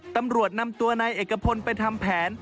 ตำรวจนำตัวนายเอกพลไปทำแผน